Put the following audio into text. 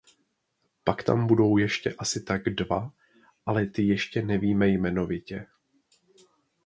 Pak tam budou ještě asi tak dva, ale ty ještě nevím jmenovitě.